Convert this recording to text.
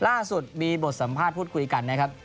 ล่าสุดมีบทสัมภาษณ์พูดคุยกันนะครับ